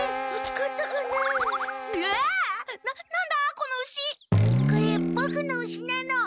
これボクの牛なの。